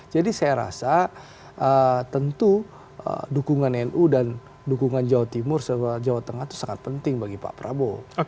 saya rasa tentu dukungan nu dan dukungan jawa timur jawa tengah itu sangat penting bagi pak prabowo